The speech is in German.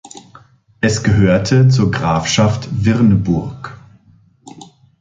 Es gehörte zur Grafschaft Virneburg.